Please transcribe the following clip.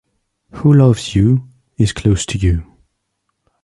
Who loves you is close to you.